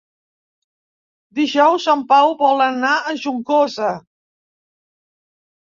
Dijous en Pau vol anar a Juncosa.